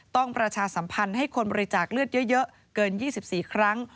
ประชาสัมพันธ์ให้คนบริจาคเลือดเยอะเกิน๒๔ครั้ง